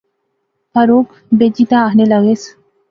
فاروق بیجی تے آخنے لاغیس